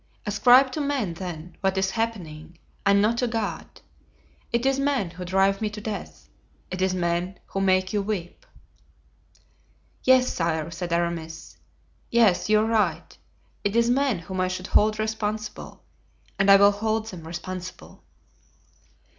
Ascribe to men, then, what is happening, and not to God. It is men who drive me to death; it is men who make you weep." "Yes, sire," said Aramis, "yes, you are right. It is men whom I should hold responsible, and I will hold them responsible."